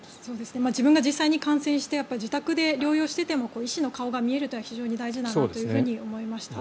自分が実際に感染して自宅で療養していても医師の顔が見えるのは大事だなと思いました。